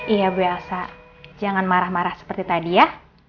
iya bu elsa jangan marah marah seperti tadi ya